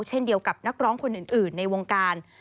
เช่นเดียวกับนักร้องคนอื่นในวงการ